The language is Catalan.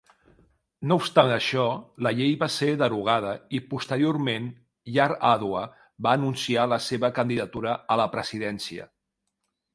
No obstant això, la llei va ser derogada i, posteriorment, Yar'Adua va anunciar la seva candidatura a la presidència.